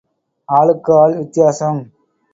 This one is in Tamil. ஆளுக்கு ஆள் வித்தியாசம்.